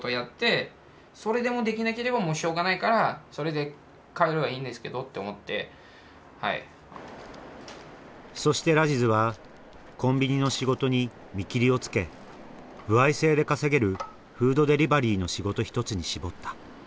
でもラジズは日本に残ることを決断したそしてラジズはコンビニの仕事に見切りをつけ歩合制で稼げるフードデリバリーの仕事一つに絞った。